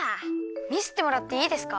みせてもらっていいですか？